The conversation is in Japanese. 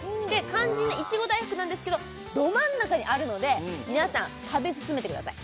肝心のいちご大福なんですけどど真ん中にあるので皆さん食べ進めてください